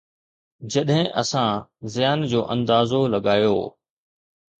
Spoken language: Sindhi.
جڏهن اسان زيان جو اندازو لڳايو.